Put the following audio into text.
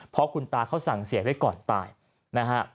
เพราะคุณตาเขาสั่งเสียไว้ก่อนตายนะฮะ